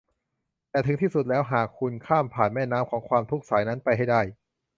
แต่ถึงที่สุดแล้วหากคุณข้ามผ่านแม่น้ำของความทุกข์สายนั้นไปให้ได้